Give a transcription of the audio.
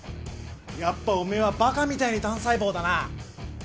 やっぱおめえはバカみたいに単細胞だな。